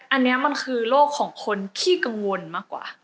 อันนี้มันคือโรคของคนขี้กังวลมากกว่า